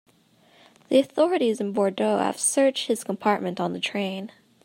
The authorities in Bordeaux have searched his compartment on the train.